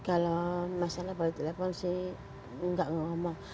kalau masalah boleh telepon sih enggak ngomong